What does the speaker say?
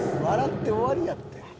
笑って終わりやって。